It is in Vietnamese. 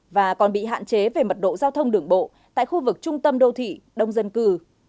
và còn bị hạn chế về mật độ giao thông đường bộ tại khu vực trung tâm đô thị đông dân cư